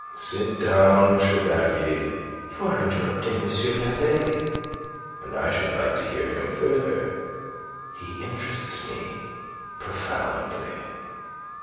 "Sit down, Chevalier. You are interrupting M. l'abbe, and I should like to hear him further. He interests me profoundly."